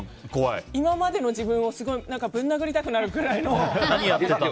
今までの自分をぶん殴りたくなるくらいの。